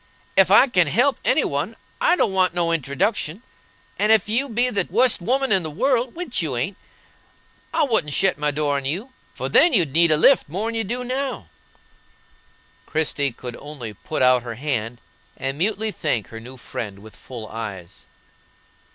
Ef I can help any one, I don't want no introduction; and ef you be the wust woman in the world (which you ain't), I wouldn't shet my door on you, for then you'd need a lift more'n you do now." Christie could only put out her hand, and mutely thank her new friend with full eyes.